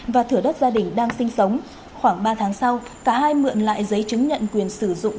và thửa đất gia đình đang sinh sống khoảng ba tháng sau cả hai mượn lại giấy chứng nhận quyền sử dụng